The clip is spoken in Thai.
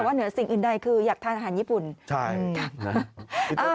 แต่ว่าเหนือสิ่งอื่นใดคืออยากทานอาหารญี่ปุ่น